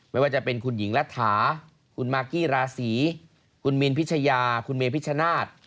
ไม่ว่าจะเป็นคุณหญิงรัฐาคุณมากกี้ราศีคุณมินพิชยาคุณเมพิชชนาธิ์